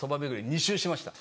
２周しました。